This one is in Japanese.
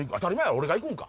俺が行くんか？